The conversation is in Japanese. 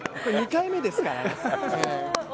２回目ですからね。